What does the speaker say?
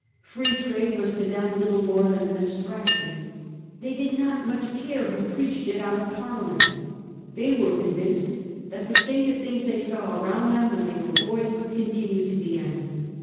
Free Trade was to them little more than an abstraction. They did not much care who preached it out of Parliament. They were convinced that the state of things they saw around them when they were boys would continue to the end.